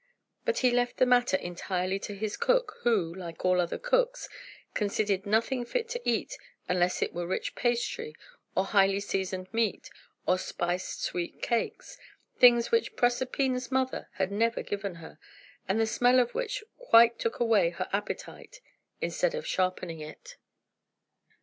But he left the matter entirely to his cook, who, like all other cooks, considered nothing fit to eat unless it were rich pastry, or highly seasoned meat, or spiced sweet cakes things which Proserpina's mother had never given her, and the smell of which quite took away her appetite, instead of sharpening it.